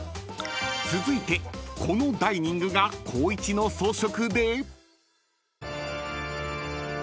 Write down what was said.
［続いてこのダイニングが光一の装飾で］